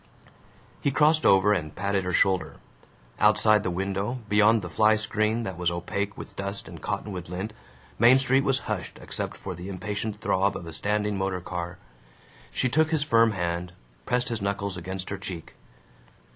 He crossed over and patted her shoulder. Outside the window, beyond the fly screen that was opaque with dust and cottonwood lint, Main Street was hushed except for the impatient throb of a standing motor car. She took his firm hand, pressed his knuckles against her cheek.